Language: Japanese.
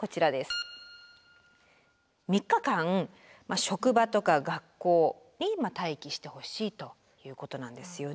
３日間職場とか学校に待機してほしいということなんですよね。